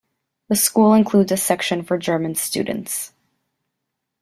The school includes a section for German students.